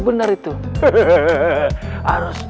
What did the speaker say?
bongkar tuh patok